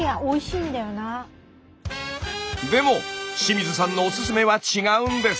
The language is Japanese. でも清水さんのおすすめは違うんです。